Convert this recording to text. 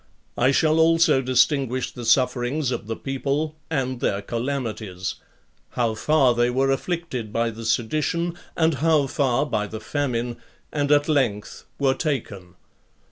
I shall also distinguish the sufferings of the people, and their calamities; how far they were afflicted by the sedition, and how far by the famine, and at length were taken.